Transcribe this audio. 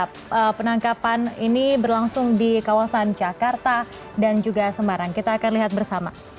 apakah penangkapan ini berlangsung di kawasan jakarta dan juga semarang kita akan lihat bersama